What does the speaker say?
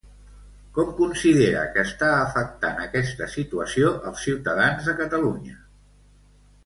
Com considera que està afectant aquesta situació als ciutadans de Catalunya?